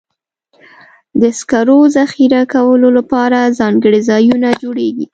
د سکرو ذخیره کولو لپاره ځانګړي ځایونه جوړېږي.